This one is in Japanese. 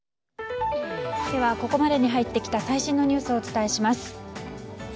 では、ここまでに入ってきた最新のニュースをお伝えします。